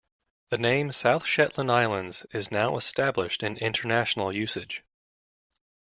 The name South Shetland Islands is now established in international usage.